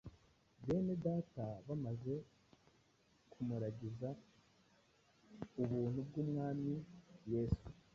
bene Data bamaze kumuragiza ubuntu bw’Umwami Yesu